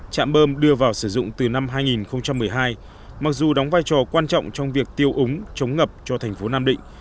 chạm bơm đưa vào sử dụng từ năm hai nghìn một mươi hai mặc dù đóng vai trò quan trọng trong việc tiêu úng chống ngập cho thành phố nam định